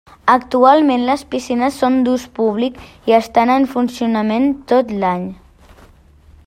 Actualment les piscines són d'ús públic i estan en funcionament tot l'any.